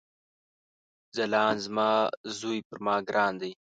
ځلاند زما ځوي پر ما ګران دی